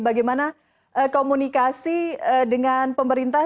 bagaimana komunikasi dengan pemerintah